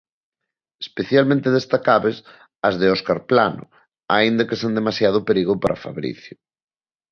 Especialmente destacables as de Óscar Plano, aínda que sen demasiado perigo para Fabricio.